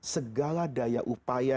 segala daya upaya